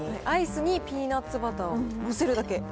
アイスにピーナッツバターを載せるだけ。